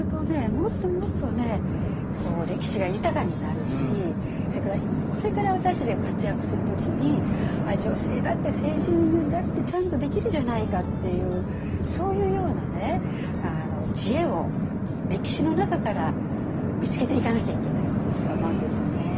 もっともっとね歴史が豊かになるしそれからこれから私たちが活躍する時に女性だって政治だってちゃんとできるじゃないかっていうそういうような知恵を歴史の中から見つけていかなきゃいけないと思うんですね。